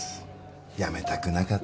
辞めたくなかったんだろ？